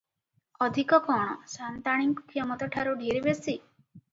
ଅଧିକ କଣ ସାଆନ୍ତାଣୀଙ୍କ କ୍ଷମତାଠାରୁ ଢେର ବେଶୀ ।